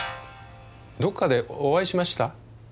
どこかでお会いしました？